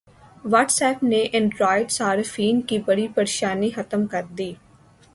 what's app نے اینڈرائیڈ صارفین کی بڑی پریشانی ختم کردی